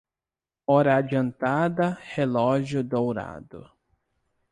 Hora adiantada, relógio dourado.